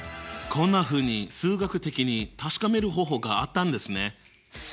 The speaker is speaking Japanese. こんなふうに数学的に確かめる方法があったんですね。